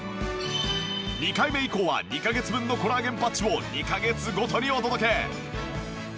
２回目以降は２カ月分のコラーゲンパッチを２カ月ごとにお届け